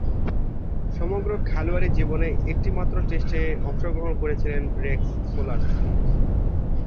সমগ্র খেলোয়াড়ী জীবনে একটিমাত্র টেস্টে অংশগ্রহণ করেছিলেন রেক্স সেলার্স।